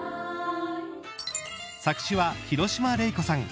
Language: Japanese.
作詞は廣嶋玲子さん。